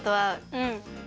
うん。